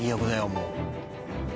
もう。